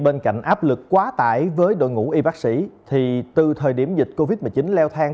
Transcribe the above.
bên cạnh áp lực quá tải với đội ngũ y bác sĩ thì từ thời điểm dịch covid một mươi chín leo thang